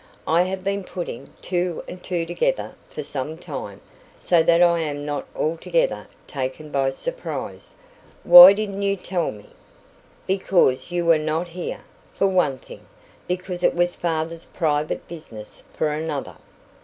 I have been putting two and two together for some time, so that I am not altogether taken by surprise." "Why didn't you tell me?" "Because you were not here, for one thing. Because it was father's private business, for another."